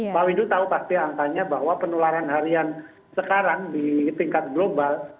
pak windu tahu pasti angkanya bahwa penularan harian sekarang di tingkat global